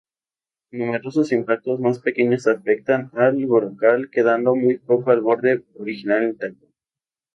Numerosos impactos más pequeños afectan al brocal, quedando muy poco del borde original intacto.